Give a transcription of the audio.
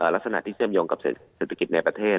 ลักษณะที่เชื่อมโยงกับเศรษฐกิจในประเทศ